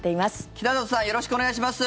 北里さんよろしくお願いします。